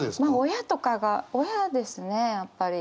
親とかが親ですねやっぱり。